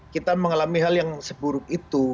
kita mengalami hal yang seburuk itu